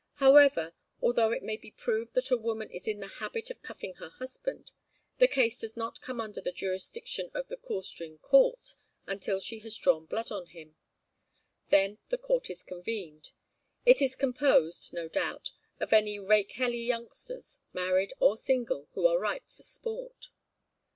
However, although it may even be proved that a woman is in the habit of cuffing her husband, the case does not come under the jurisdiction of the coolstrin court until she has 'drawn blood on him.' Then the court is convened. It is composed, no doubt, of any rakehelly youngsters, married or single, who are ripe for sport.